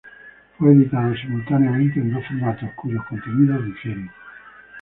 Fue editado simultáneamente en dos formatos, cuyos contenidos difieren.